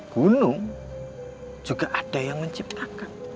gunung juga ada yang menciptakan